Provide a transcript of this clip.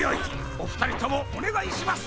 おふたりともおねがいします！